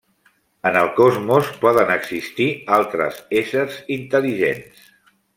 En el cosmos poden existir altres éssers intel·ligents.